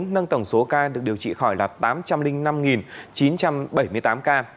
nâng tổng số ca được điều trị khỏi là tám trăm linh năm chín trăm bảy mươi tám ca